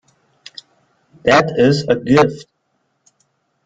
That is a gift.